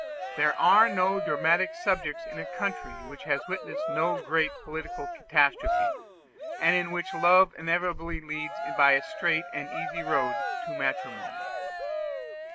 There are no dramatic subjects in a country which has witnessed no great political catastrophes, and in which love invariably leads by a straight and easy road to matrimony.